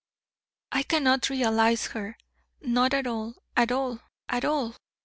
I cannot realise her! Not at all, at all, at all!